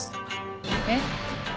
えっ？